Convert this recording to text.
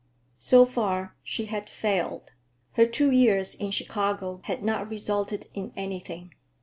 So far she had failed. Her two years in Chicago had not resulted in anything.